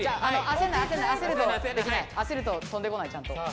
あせると飛んでこないちゃんと。